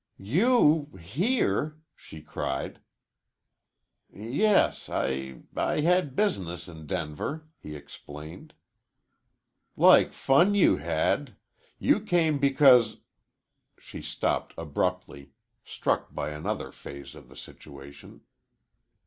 "You here!" she cried. "Yes, I I had business in Denver," he explained. "Like fun you had! You came because " She stopped abruptly, struck by another phase of the situation.